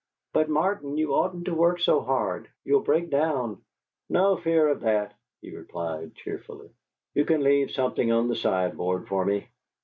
"But, Martin, you oughtn't to work so hard. You'll break down " "No fear of that," he replied, cheerfully. "You can leave something on the sideboard for me."